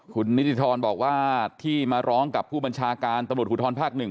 คุณนิติธรบอกว่าที่มาร้องกับผู้บัญชาการตำรวจภูทรภาคหนึ่ง